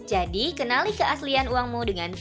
jadi kenali keaslian uangmu dengan tiga d